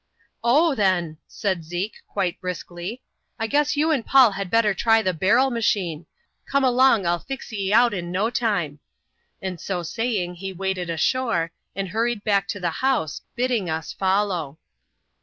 " Oh, then, said Zeke, quite briskly, " I guess you and Paul had better try the * barrel machine^ — come along, I'll fix ye out in no time ;" and, so saying, he waded ashore, and hurried back to the house, bidding us follow.